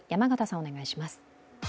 お願いします。